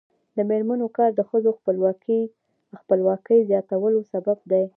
د میرمنو کار د ښځو خپلواکۍ زیاتولو سبب دی.